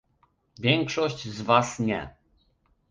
Większość z was nie